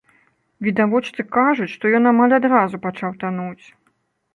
Відавочцы кажуць, што ён амаль адразу пачаў тануць.